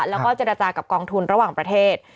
แล้วก็เจรจากับกองทุนระหว่างประเทศ